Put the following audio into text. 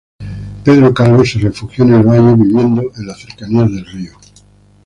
Pedro Calvo se refugió en el valle, viviendo en las cercanías del río.